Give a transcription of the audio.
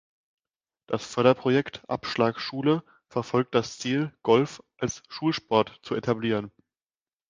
Das Förderprojekt "Abschlag Schule" verfolgt das Ziel, Golf als Schulsport zu etablieren.